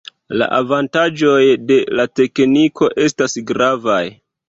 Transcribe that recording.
La avantaĝoj de la tekniko estas gravaj.